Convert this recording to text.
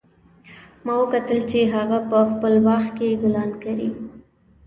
ما وکتل چې هغه په خپل باغ کې ګلان کري